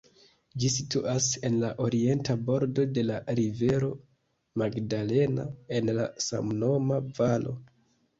Ĝi situas en la orienta bordo de la rivero Magdalena, en la samnoma valo.